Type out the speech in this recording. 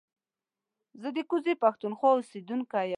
زه د کوزې پښتونخوا اوسېدونکی يم